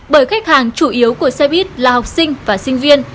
bởi khách hàng chủ yếu của xe buýt là học sinh và sinh viên